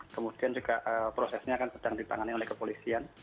kemudian juga prosesnya kan sedang ditangani oleh kepolisian